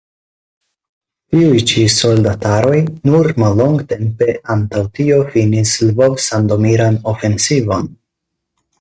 Tiuj ĉi soldataroj nur mallongtempe antaŭ tio finis Lvov-sandomiran ofensivon.